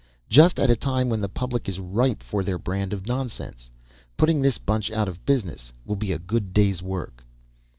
Just at a time when the public is ripe for their brand of nonsense. Putting this bunch out of business will be a good day's work."